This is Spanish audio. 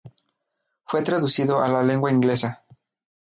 Fue traducido a la lengua inglesa.